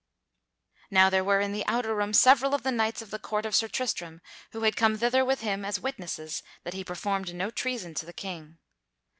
Now there were in the outer room several of the knights of the court of Sir Tristram who had come thither with him as witnesses that he performed no treason to the King.